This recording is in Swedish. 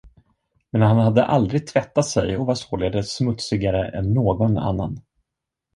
Men han hade aldrig tvättat sig och var således smutsigare än någon annan.